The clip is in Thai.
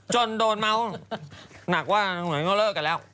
จนโดนเมาหนักว่าเหงื่อเลิกกันแล้ว